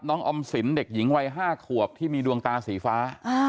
ออมสินเด็กหญิงวัย๕ขวบที่มีดวงตาสีฟ้า